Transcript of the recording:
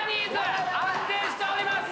安定しております。